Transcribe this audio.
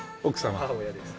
母親です。